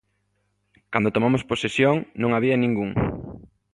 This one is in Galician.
Cando tomamos posesión non había ningún.